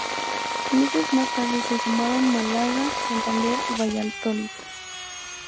Meses más tarde se sumaron Málaga, Santander y Valladolid.